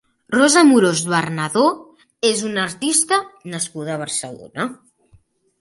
Rosa Amorós Bernadó és una artista nascuda a Barcelona.